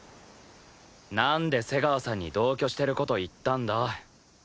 なんで瀬川さんに同居してる事言ったんだ？